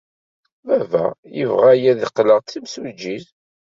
Baba yebɣa-iyi ad qqleɣ d timsujjit.